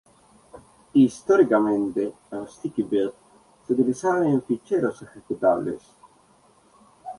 Históricamente, el sticky bit se utilizaba en ficheros ejecutables.